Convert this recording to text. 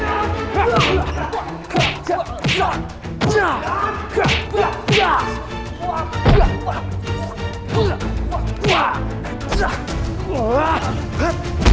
apa yang kalian mau